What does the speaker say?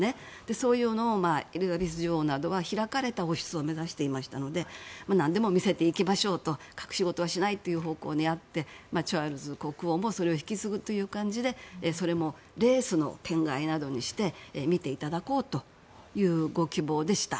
そういうのをエリザベス女王などは開かれた王室を目指していましたので何でも見せていきましょうと隠し事はしないという方向にあって、チャールズ国王もそれを引き継ぐという感じでそれもレースの天蓋などにして見ていただこうというご希望でした。